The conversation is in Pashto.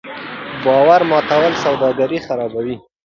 باور ماتول سوداګري خرابوي.